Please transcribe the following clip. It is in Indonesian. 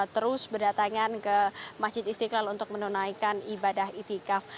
terus berdatangan ke masjid istiqlal untuk menunaikan ibadah itikaf